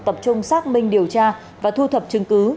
tập trung xác minh điều tra và thu thập chứng cứ